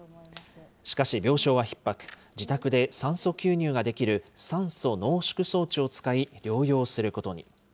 しかし病床はひっ迫、自宅で酸素吸入ができる酸素濃縮装置を使い、療養することに。